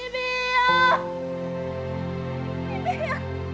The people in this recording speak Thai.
พี่เบีย